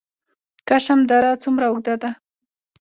کشم دره څومره اوږده ده؟